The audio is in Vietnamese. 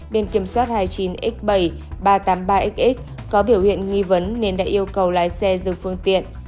bên kiểm soát hai mươi chín x bảy nghìn ba trăm tám mươi ba x có biểu hiện nghi vấn nên đã yêu cầu lái xe dừng phương tiện